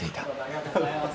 ありがとうございます。